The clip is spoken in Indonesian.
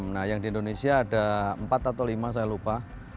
nah yang di indonesia ada empat atau lima saya lupa